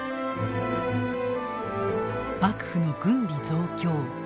幕府の軍備増強。